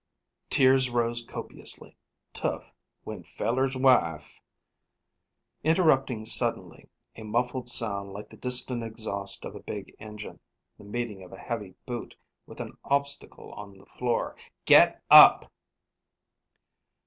Tears rose copiously. "Tough when feller's wife " Interrupting suddenly a muffled sound like the distant exhaust of a big engine the meeting of a heavy boot with an obstacle on the floor. "Get up!"